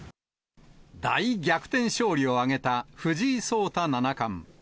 大逆転勝利を挙げた藤井聡太七冠。